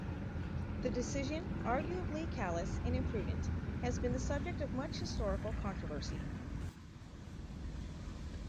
The decision, arguably callous and imprudent, has been the subject of much historical controversy.